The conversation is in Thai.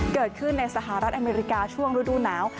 เกิดขึ้นในสหรัฐอเมริกาช่วงฤดูหนาว